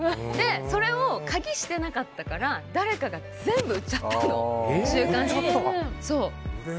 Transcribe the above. それを鍵してなかったから誰かが全部売っちゃったの週刊誌に。